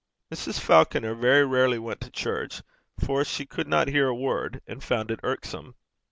Mrs. Falconer very rarely went to church, for she could not hear a word, and found it irksome.